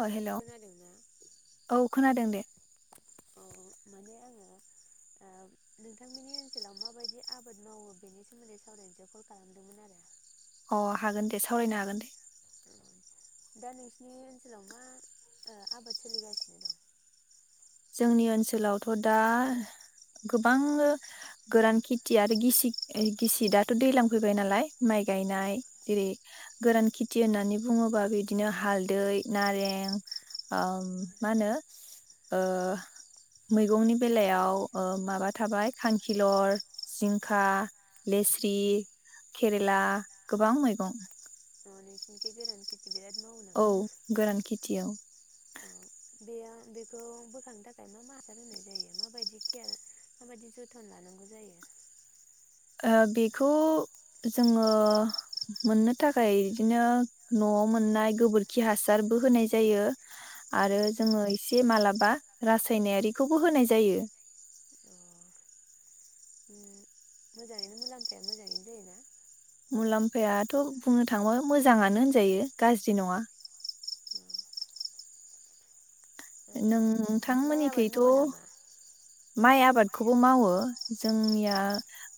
ओ हेलौ खोनादोंना औ खोनादों दे औ माने आङो नोंथांमोननि ओनसोलाव माबायदि आबाद मावो बेनि सोमोन्दै सावरायनोसो कल खालामदोंमोन आरो अ हागोन दे सावरायनो हागोन दे दा नोंसिनि ओनसोलाव मा आबाद सोलिगासिनो दं? जोंनि ओनसोलावथ' दा गोबां गोरान खेथि आरो गिसि गिसि दाथ' दैज्लां फैबाय नालाय माइ औ गायनाय जेरै गोरान खेथि होननानै बुङोबा बिदिनो हालदै नारें आ मा होनो ओ मैगंनि बेलायाव ओ माबा थाबाय खांखिलर जिंखा लेस्रि केरेला गोबां मैगं अ नोंसिनि गेजेरावनो खेथि बिराद माव औ गोरान खेथियाव औ औ बे बेखौ बोखांनो थाखाय मा मा हासार होनाय जायो माबायदि केयार माबायदि जोथोन लानांगौ जायो? बेखौ जोङो मोननो थाखाय बिदिनो न'आव मोननाय गोबोरखि हासारबो होनाय जायो आरो जोङो एसे मालाबा रासायनारिखौबो होनाय जायो। अ मोजाङैनो मुलाम्फाया मोजाङैनो जायोना मुलाम्फायाथ' बुंनो थाङोबा मोजाङानो होनजायो गाज्रि नङा। अ ओ माइ आबाद नोंथांमोननिखैथ' मावा नामा माइ आबादखौबो मावो अ जोंनिया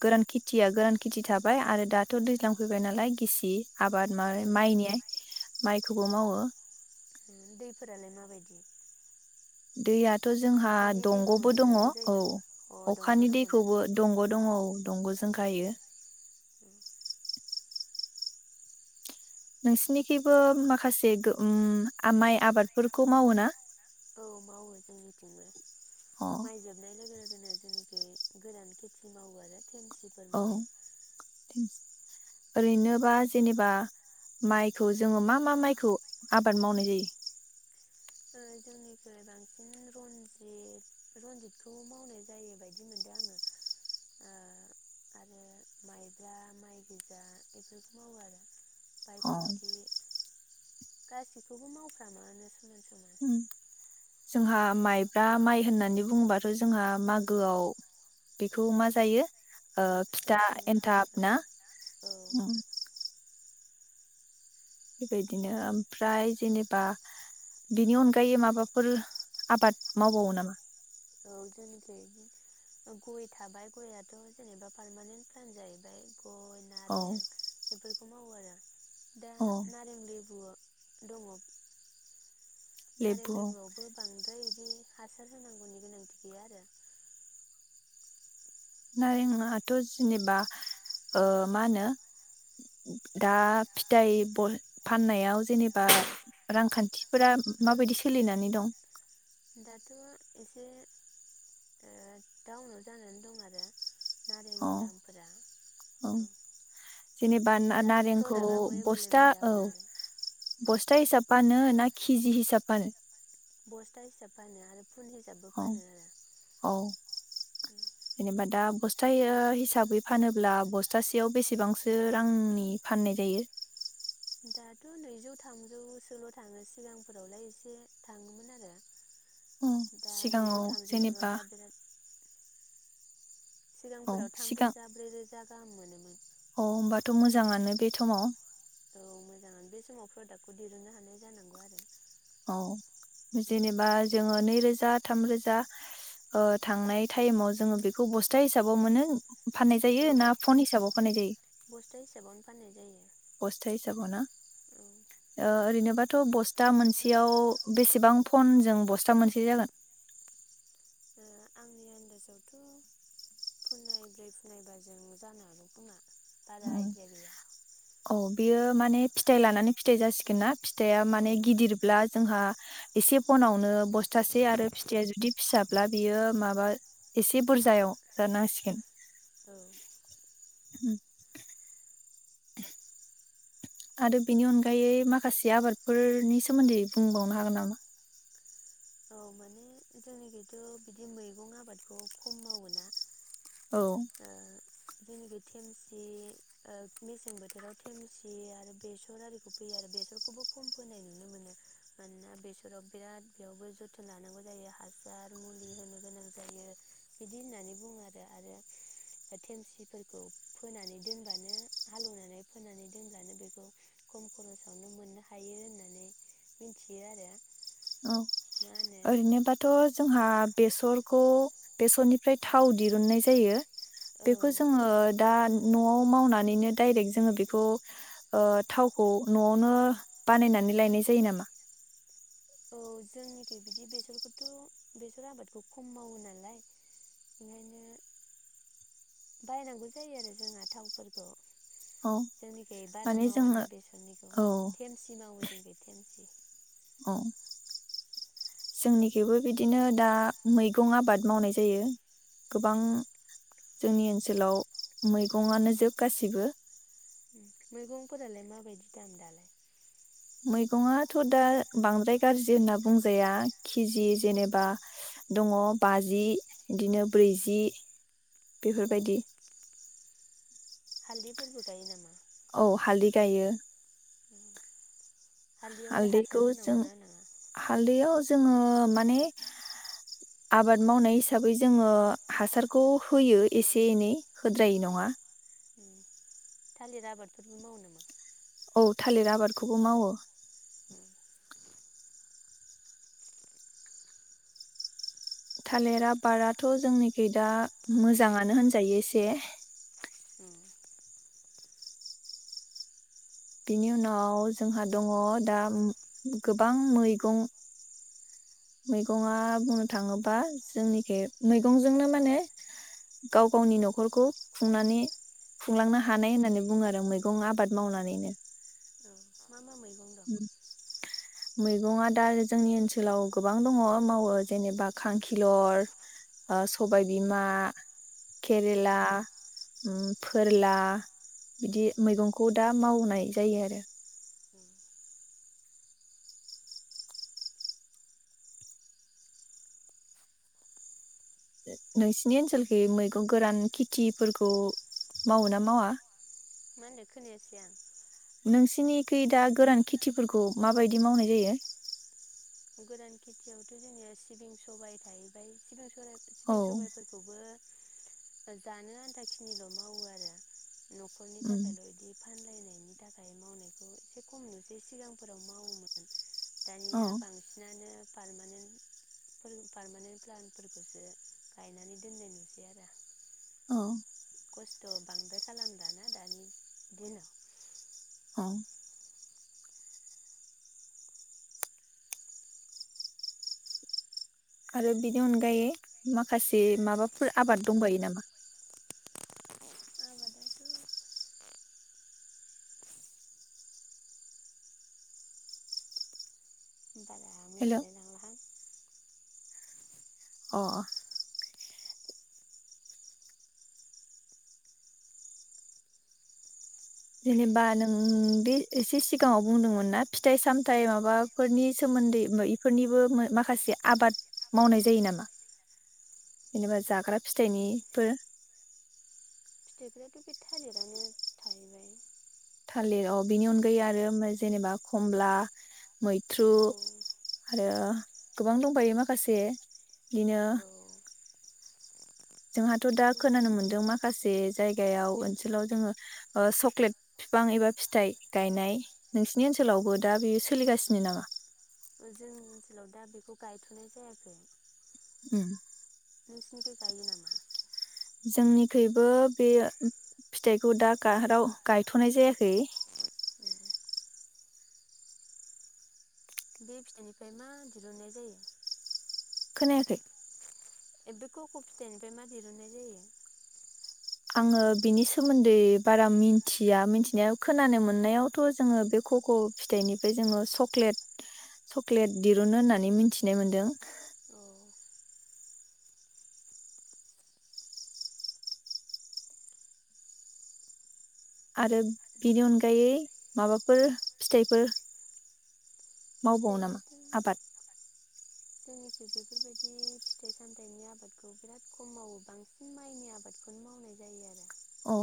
गोरान खि थिया गोरान खेथि थाबाय आरो दाथ' दैज्लां फैबाय नालाय गिसि आबाद माव [unintelligible] माइनि माइखौबो मावो दैफोरालाय माबायदि दैया थ' जोंहा अखानि दैखौ दंग'बो दङ नेनांगौ औ जायो नामा अ दंग' अखानि दङ ना दैखौबो दंग' दङ औ दंग'जों गायो। उम उम नोंसिनिखैबो माखासे गो ओम माइ आबादफोरखौ मावो ना? औ मावो जोंनिथिंबो। अ माइ जोबनाय लोगो लोगो [unintelligible] जोंनिखै गोरान खेथि मावो आरो देमसिफोर औ मावो ओरैनोबा जेनेबा माइखौ जोङो मा मा माइखौ आबाद मावनाय जायो? ओ जोंनिफ्राय बांसिन रनजित रनजितखौ मावनाय जायो बायदि मोनदों आङो ओ आरो माइब्रा माइ गोजा बेफोरखौ मावो आरो अ बायसमथि गासिखौबो मावफ्रामोआनो उम [unintelligible] जोंहा माइब्रा माइ होननानै बुङोबाथ' जोंहा मागोआव बेखौ मा जायो ओ औ फिथा जायो एनथाब ना औ औ बेबायदिनो ओमफ्राय जेनेबा बिनि अनगायै माबाफोर आबाद मावबावो नामा औ जोंनिखै गय थाबाय गयाथ' जेनेबा पारमानेन्ट प्लान जायैबाय औ खौ मावो आरो दा औ नारें लेबुआ दङ नारें लेबु लेबुआवबो बां द्राय इदि हासार होनांगौनि गोनांथि गैया आरो नारेंआथ' जेनेबा ओ मा होनो दा फिथाइ [unintelligible] फाननायाव जेनेबा रांखान्थिफोरा माबायदि सोलिनानै दं दाथ' एसे ओ डाउनाव जानानै दं आरो अ नारेंनि दामफोरा औ जेनेबा दा नारेंखौ प्रडाक्टआबो बस्था एभेलेबेल औ जाबाय नालाय बस्था हिसाब फानो ना खिजि हिसाब फानो बस्था हिसाब फानो आरो फुल हिसाबबो अ फानो आरो औ जेनेबा दा ब स्थायै हिसाबै फानोब्ला बस्थासेयाव बेसेबांसो रांनि फाननाय जायो? दाथ' नैजौ थामजौसोल' थाङो सिगांफोरावलाय एसे थाङोमोन आरो अ दा सिगाङाव नैजौ थामजौ ज' जेनेबा दा बिराद औ सिगांफोराव थाम सिगां रोजा ब्रै रोजा गाहाम मोनोमोन अ होमबाथ' मोजाङानो बे थमाव औ मोजाङानो बे समाव प्रडाक्टखौ दिरुननो हानाय जानांगौ आरो औ जेनेबा जोङो नै रोजा थाम रोजा ओ थांनाय टाइमाव जोङो बेखौ बस्था हिसाबाव मोनो फाननाय औ जायो ना फन हिसाबाव फाननाय जायो बस्था हिसाबावनो फाननाय जायो बस्था हिसाबाव ना औ ओ ओरैनोबाथ' बस्था मोनसेयाव बेसेबां फनजों बस्था मोनसे जागोन? ओ आंनि आनदाजावथ' फुनायब्रै फुनायबाजों जानो हागौ खोमा बारा आइडिया गैया औ बियो माने फिथाइ लानानै फिथाइ जासिगोन ना फिथाइया औ माने गिदिरब्ला जोंहा एसे फनावनो बस्थासे आरो फिथाइया जुदि फिसाब्ला बियो माबा एसे बुरजायाव जानांसिगोन औ होम [unintelligible] आरो बेनि अनगायै माखासे आबादफोरनि सोमोनदै बुंबावनो हागोन नामा औ माने जोंनिखैथ' बिदि मैगं आबादखौ खम मावो ना औ जेखि थेमसि ओ मेसें बोथोराव थेमसि आरो बेसर आरिखौ फैयो आरो बेसरखौबो खम फोनाय नुनो मोनो मानोना बेसराव बिराद बेयावबो जोथोन लानांगौ जायो हासार मुलि होनो गोनां जायो बिदि होननानै बुङो आरो आरो थेमसिफोरखौ फोनानै दोनब्लानो हालौवनानै फोनानै दोनब्लानो बेखौ खम खरसावनो मोननो हायो होननानै मिथियो आरो औ मा होनो ओरैनोबाथ' जों जोंहा बेसरखौ बेसरनिफ्राय थाव दिरुननाय जायो औ बेखौ जोङो दा न'आव मावनानैनो डायरेक्ट जोङो बेखौ ओ थावखौ न'आवनो बानायनानै लायनाय जायो नामा औ जोंनिखै बिदि बेसरखौथ' बेसर आबादखौ खम मावो नालाय ओंखायनो बायनांगौ जायो आरो जोंहा थावफोरखौ औ जोंनिखै बारा माने मावाना जोङो बेसरनिखौ औ थेमसि मावो जोंनिखै थेमसि औ जोंनिखैबो बिदिनो दा मैगं आबाद मावनाय जायो गोबां जोंनि ओनसोलाव मैगंआनोजोब गासिबो मैगंफोरालाय माबायदि दाम दालाय मैगङाथ' दा बांद्राय गाज्रि होनना बुंजाया केजि जेनेबा दङ बाजि बिदिनो ब्रैजि औ बेफोरबायदि हालदैफोरबो गायो नामा औ हालदै गायो हालदैयावलाय हासार हालदैखौ जों होनांगौना होनाङा हालदैयाव जों जोङो माने आबाद मावनाय हिसाबै जोङो हासारखौ होयो एसे एनै होद्रायै नङा थालिर आबादफोरबो मावो नामा औ थालिर आबादखौबो मावो [inaudible] थालिर आबाराथ' जोंनिखै दा मोजाङानो होनजायो एसे दे औ बिनि उनाव जोंहा दङ दा गोबां मैगं मैगङा बुंनो थाङोबा जोंनिखै मैगंजोंनो माने गाव गावनि न'खरखौ खुंनानै खुंलांनो हानाय होननानै बुङो आरो मैगं आबाद मावनानैनो मा मा मैगं दं मैगङा दा जोंनि ओनसोलाव गोबां दङ मावो जेनेबा खांखिलर ओ सबायबिमा केरेला फोरला बिदि मैगंखौ दा मावनाय जायो आरो औ नोंसिनि ओनसोलखै मैगं गोरान खेथिफोरखौ मावो ना मावा? मा होनदों खोनायासै आं नोंसिनिखै दा गोरान खेथिफोरखौ माबायदि मावनाय जायो? गोरान खेथियावथ' जोंनिया सिबिं सबाइ थाहैबाय सिबिं स औ सिबिं सबाइफोरखौबो जानो आन्थाखिनिल' मावो आरो न'खरनि उम थाखायल' बिदि फानलायनाय बेनि थाखाय मावनायखौ एसे खमनोसै सिगांफोराव मावोमोन। औ दानिया पारमानेन्ट पारमानेन्ट प्लान फोरफोरखौसो गायनानै दोननाय नुसै आरो। औ। खस्थ' बांद्राय खालामलाना दानि दिनाव। औ। आरो बिनि अनगायै माखासे माबाफोर आबाद दंबायो नामा? आबादाथ' बारा हेल' अ मिथिलाय लांलाहां। अह। जेनेबा नों बे एसे सिगाङाव बुंदोंमोन ना फिथाइ-सामथाइ माबाफोरनि सोमोन्दै बेफोरनिबो माखासे आबाद मावनाय जायो नामा जेनेबा जा। जाग्रा फिथाइ फिथाइनिफोर फिथाइफ्राथ' बे थालिरानो थाहैबाय। थालिर अह बिनि अनगायै आरो जेनेबा खमला मैथ्रु औ आरो गोबां दंबायो माखासे बिदिनो औ जोंहाथ' दा खिन्थु खोनानो मोनदों माखासे जायगायाव ओनसोलाव जोङो सक्लेट बिफां एबा फिथाइ गायनाय नोंसिनि ओनसोलावबो दा बेयो सोलिगासिनो नामा? जोंनि ओनसोलाव दा बेखौ गायथ'नाय जायाखै। ओम नोंसिनिखौ गायो नामा? जोंनिखैबो बेयो फिथाइखौ दा गाहाराव गायथ'नाय जायाखै। बे फिथाइनिफ्राय मा दिरुननाय जायो? खोनायाखै बे [unintelligible] फिथाइनिफ्राय मा दिरुननाय जायो। आङो बिनि सोमोन्दै बारा मिथिया मिथिनाया खोनानो मोननायावथ' जोङो बे कक' फिथाइनिफ्राय जोङो चक्लेट चक्लेट दिरुनो होननानै मिथिनाय मोनदों। औ। आरो बिनि अनगायै माबाफोर फिथाइफोर मावबावो नामा आबाद। जोंनिखि बेफोरबायदि फिथाइ सामथाइनि आबादखौ बिराद खम मावो बांसिन माइनि आबादखौनो मावनाय जायो आरो। अ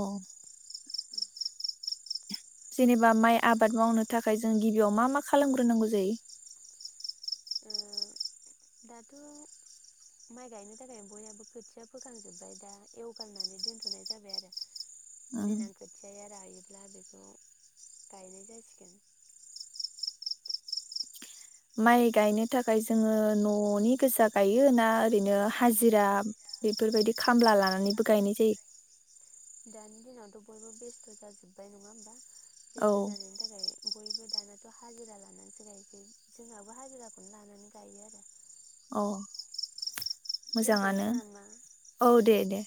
जेनेबा माइ आबाद मावनो थाखाय जों गिबियाव मा मा खालामग्रोनांगौ जायो? दाथ' माइ गायनो थाखाय बयहाबो खोथिया फोखांजोब्बाय दा एवगारनानै दोनथ'नाय जाबाय आरो उम देनां खोथियाया रायोब्ला बेखौ गायनाय जासिगोन। माइ गायनो थाखाय जोङो न'नि गोजा गायो ना ओरैनो हाजिरा बेफोरबायदि खामला लानानैबो गायनाय जायो? दानि दिनावथ' बयबो बेस्थ' जाजोब्बाय नङा होमबा? जस' औ जानायनि थाखाय [inaudible] बयबो दानाथ' हाजिरा लानानैसो गायनोसै जोंहाबो हाजिराखौनो लानानै गायो आरो। औ। मोजाङानो दोनथ'नोसै नामा औ दे दे।